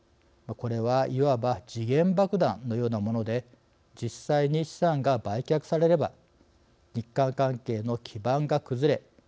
これはいわば時限爆弾のようなもので実際に資産が売却されれば日韓関係の基盤が崩れ